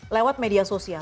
lewat media sosial